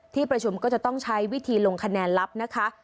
ที่ประชุมก็จะต้องใช้วิธีลงคะแนนลับนะคะ